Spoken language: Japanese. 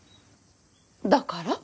だから？